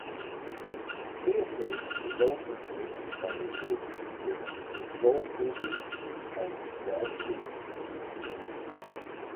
Kingisepp is also connected by road with Volosovo and Slantsy.